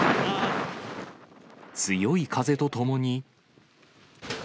強い風とともに。